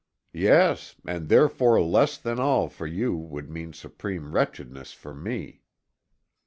"Yes, and therefore less than all for you would mean supreme wretchedness for me."